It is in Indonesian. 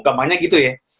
gampangnya gitu ya